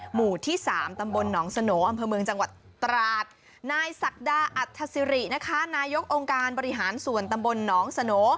หมู่ที่สามตำบลหนองสโนอำเภอเมืองจังหวัดตราดนายศักดาอัธสิรินะคะนายกองค์การบริหารส่วนตำบลหนองสโน